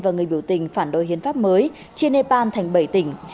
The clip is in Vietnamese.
và người biểu tình phản đối hiến pháp mới trên nepal thành bảy tỉnh